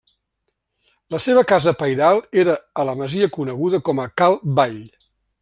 La seva casa pairal era a la masia coneguda com a Cal Vall.